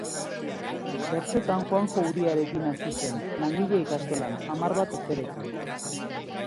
Bertsotan Juanjo Uriarekin hasi zen Langile ikastolan, hamar bat urterekin.